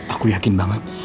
aku yakin banget